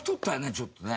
ちょっとね。